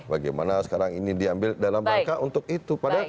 bagaimana sekarang ini diambil dalam rangka untuk itu